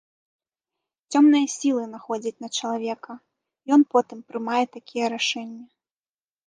Цёмныя сілы находзяць на чалавека, ён потым прымае такія рашэнні.